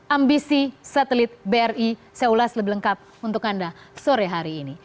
ambisi satelit bri saya ulas lebih lengkap untuk anda sore hari ini